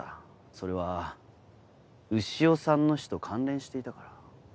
それは潮さんの死と関連していたから。